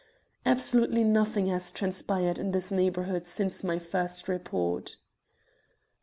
Absolutely nothing has transpired in this neighbourhood since my first report.